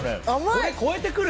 これを超えてくる？